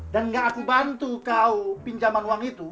dan ga aku bantu kau pinjaman uang itu